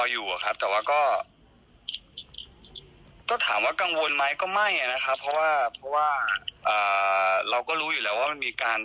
เยอะไหมครับ